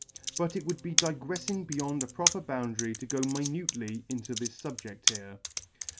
But it would be digrefting beyond a proper boundary, to go minutely into this fubject here.